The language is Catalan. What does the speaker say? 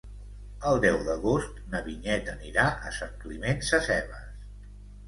El deu d'agost na Vinyet anirà a Sant Climent Sescebes.